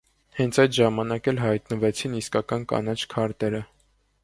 Հենց այդ ժամանակ էլ հայտնվեցին իսկական «կանաչ քարտերը»։